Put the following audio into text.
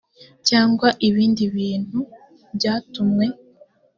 cyangwa ibindi bintu byatumwe